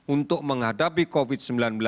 untuk menghadapi covid sembilan belas